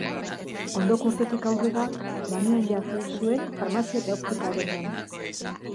Ondoko urtetik aurrera lanean jardun zuen farmazia eta optika dendan.